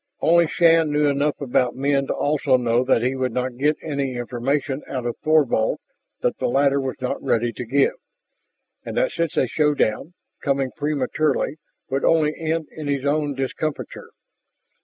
Only Shann knew enough about men to also know that he would not get any information out of Thorvald that the latter was not ready to give, and that such a showdown, coming prematurely, would only end in his own discomfiture.